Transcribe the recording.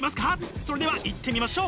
それではいってみましょう！